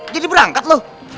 jadi berangkat loh